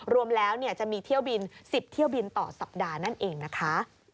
รวมแล้วจะมีเที่ยวบิน๑๐เที่ยวบินต่อสัปดาห์นั่นเองนะคะ